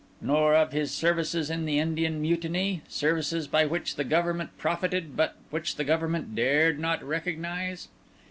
nor of his services in the Indian Mutiny—services by which the Government profited, but which the Government dared not recognise?